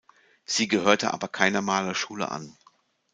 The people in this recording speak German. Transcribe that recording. Sie gehörte aber keiner Malerschule an.